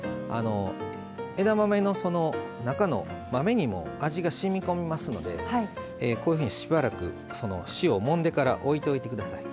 枝豆の中の豆にも味がしみこみますのでこういうふうにしばらく塩をもんでから置いといて下さい。